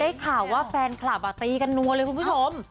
ข่าวว่าแฟนคลับตีกันนัวเลยคุณผู้ชม